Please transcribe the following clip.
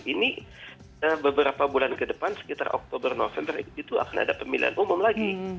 ini beberapa bulan ke depan sekitar oktober november itu akan ada pemilihan umum lagi